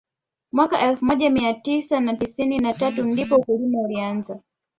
Mwaka elfu moja mia tisa na tisini na tatu ndipo ukulima ulianza